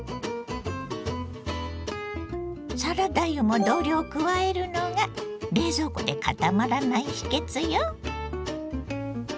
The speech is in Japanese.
サラダ油も同量加えるのが冷蔵庫でかたまらない秘けつよ。